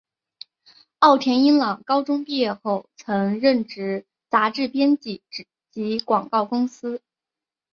奥田英朗高中毕业后曾任职杂志编辑及广告公司。